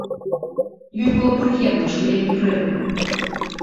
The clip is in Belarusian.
Ёй было прыемна, што я не грэбую.